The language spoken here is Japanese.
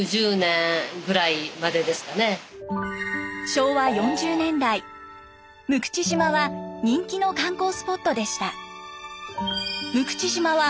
昭和４０年代六口島は人気の観光スポットでした。